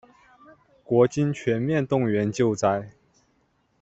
国军全面动员救灾